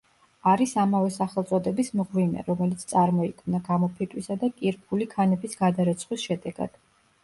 არის ამავე სახელწოდების მღვიმე, რომელიც წარმოიქმნა გამოფიტვისა და კირქვული ქანების გადარეცხვის შედეგად.